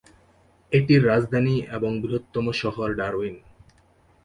এটির রাজধানী এবং বৃহত্তম শহর ডারউইন।